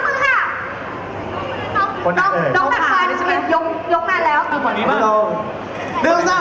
แล้วอวดนี้ก็ลองเอาไปแทงกู